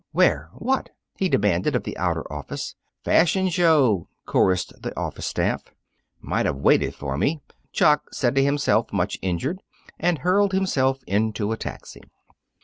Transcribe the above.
"Where? What?" he demanded of the outer office. "Fashion show!" chorused the office staff "Might have waited for me," Jock said to himself, much injured. And hurled himself into a taxi.